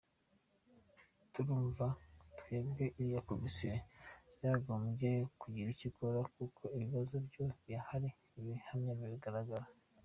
, turumva twebwe iriya komisiyo yakagombye kugira icyo ikora kuko ibibazo byo birahari, ibihamya biragaragara.